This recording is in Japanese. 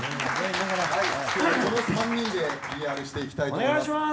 この３人でＰＲしていきたいと思います。